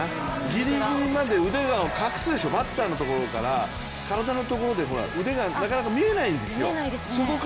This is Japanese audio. ぎりぎりまで腕を隠すでしょ、バッターのところから体のところで腕がなかなか見えないんですよ。